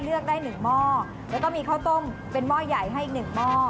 เลือกได้๑หม้อแล้วก็มีข้าวต้มเป็นหม้อใหญ่ให้อีกหนึ่งหม้อ